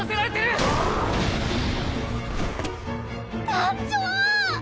団長！